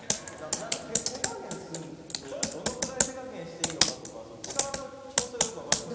何か手加減すんのがどのくらい手加減していいのかとか力の調整がよく分かんなくて。